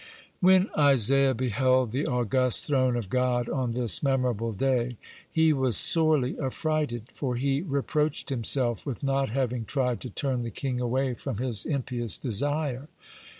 (31) When Isaiah beheld the august throne of God on this memorable day, (32) he was sorely affrighted, for he reproached himself with not having tried to turn the king away from his impious desire.